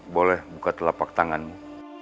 boleh buka telapak tanganmu